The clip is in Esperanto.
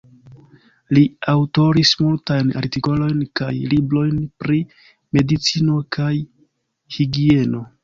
Li aŭtoris multajn artikolojn kaj librojn pri medicino kaj higieno.